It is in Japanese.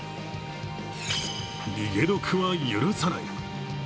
逃げ得は許さない！